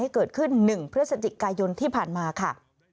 เกิดขึ้น๑พฤศจิกายนที่ผ่านมาค่ะ